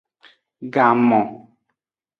Gamon.